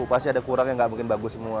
pasti ada kurang yang nggak bikin bagus semua